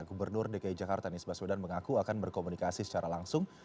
gubernur dki jakarta nisbah swedan mengaku akan berkomunikasi secara langsung